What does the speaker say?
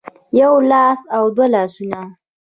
يو لاس او دوه لاسونه